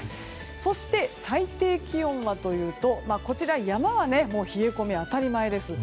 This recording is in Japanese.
そして、最低気温はというとこちら山は冷え込み当たり前です。